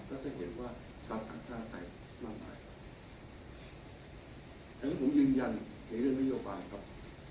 ก็จะเห็นว่าชาติทางชาติมากมายครับอย่างนั้นผมยืนยันในเรื่องนโยบายครับ